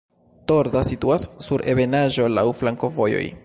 Torda situas sur ebenaĵo, laŭ flankovojoj.